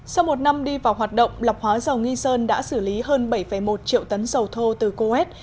sau một năm đi vào hoạt động lọc hóa dầu nghi sơn đã xử lý hơn bảy một triệu tấn dầu thô từ coet